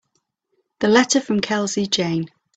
The letter from Kelsey Jane.